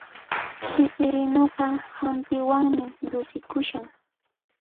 Sifirinuqa hampiwanmi llusikushan